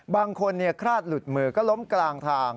บางคนคลาดหลุดมือก็ล้มกลางทาง